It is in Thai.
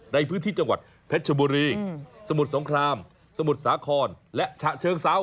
ในพื้นที่จังหวัดเพชรชบุรีสมุทรสงครามสมุทรสาครและฉะเชิงเซา